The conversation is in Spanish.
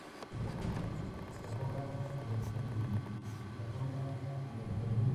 Los tratados crearon tres ducados: Sajonia-Zeitz, Sajonia-Weissenfels, Sajonia-Merseburgo.